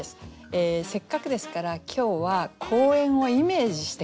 せっかくですから今日は公園をイメージして下さい。